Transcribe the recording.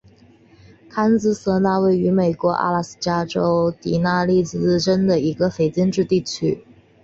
坎蒂什纳是位于美国阿拉斯加州迪纳利自治市镇的一个非建制地区。